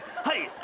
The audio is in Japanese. はい。